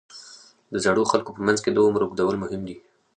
د زړو خلکو په منځ کې د عمر اوږدول مهم دي.